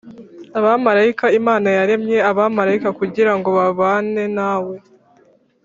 abamarayika. imana yaremye abamarayika kugira ngo babane nawe